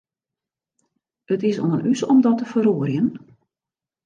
It is oan ús om dat te feroarjen.